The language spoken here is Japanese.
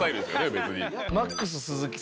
別に。